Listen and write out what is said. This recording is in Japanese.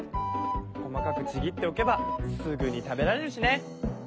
細かくちぎっておけばすぐに食べられるしね。